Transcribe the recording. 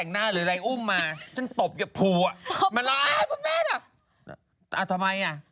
เอาทำไมอ่ะ